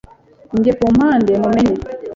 Njye kumpande mumenye